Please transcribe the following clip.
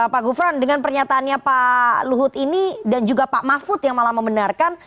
pak gufron dengan pernyataannya pak luhut ini dan juga pak mahfud yang malah membenarkan